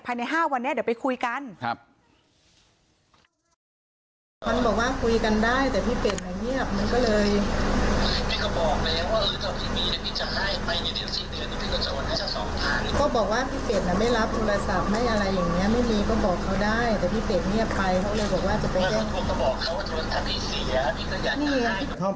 ภายใน๕วันเนี่ยเดี๋ยวไปคุยกัน